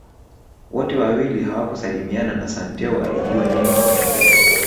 Wote wawili hawakusalimiana na Santeu alijua nini kimetokea